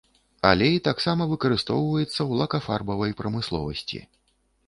Алей таксама выкарыстоўваецца ў лакафарбавай прамысловасці.